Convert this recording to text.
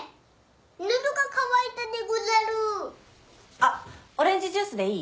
あっオレンジジュースでいい？